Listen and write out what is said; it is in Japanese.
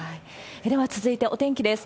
では、続いてお天気です。